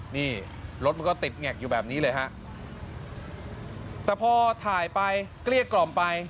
นี่รถมันก็ติดแงกอยู่แบบนี้เลยฮะแต่พอถ่ายไปเกลี้ยกล่อมไป